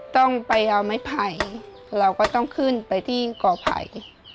ต้องไปเอาไม้ไผ่เราก็ต้องขึ้นไปที่ก่อไผ่